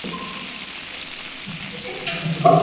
Thing hau hlah!